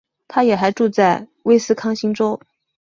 她也还住在威斯康星州。